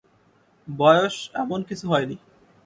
বয়স এমন কিছু হয় নি।